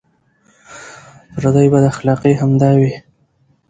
پردۍ بداخلاقۍ همدا وې.